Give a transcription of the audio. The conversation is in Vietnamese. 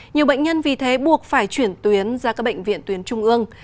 nhiều bệnh nhân vì thế buộc phải chuyển tuyến ra các bệnh viện tuyến trung ương